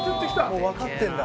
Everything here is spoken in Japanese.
もうわかってるんだ。